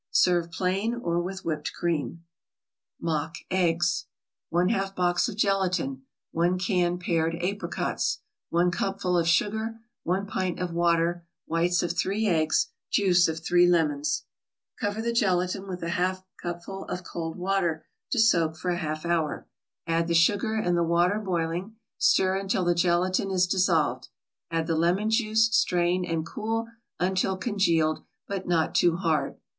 Serve plain, or with whipped cream. MOCK EGGS 1/2 box of gelatin 1 can pared apricots 1 cupful of sugar 1 pint of water Whites of three eggs Juice of three lemons Cover the gelatin with a half cupful of cold water to soak for a half hour, add the sugar and the water boiling; stir until the gelatin is dissolved; add the lemon juice, strain, and cool until congealed but not too hard.